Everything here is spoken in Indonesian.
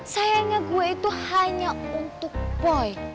sayangnya gue itu hanya untuk poi